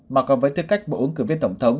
mà còn với tư cách bộ ứng cử viên tổng thống